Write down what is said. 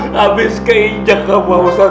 habis keinjak ustaz musa